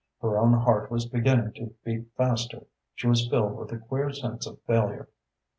Her own heart was beginning to beat faster. She was filled with a queer sense of failure.